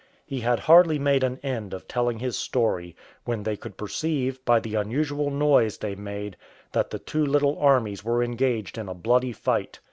He had hardly made an end of telling his story, when they could perceive, by the unusual noise they made, that the two little armies were engaged in a bloody fight.